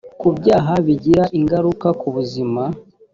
ku byaha bigira ingaruka ku buzima